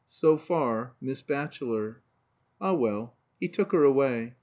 So far Miss Batchelor. Ah, well, he took her away.